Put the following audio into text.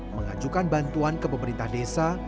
mengajukan bantuan ke pemerintah desa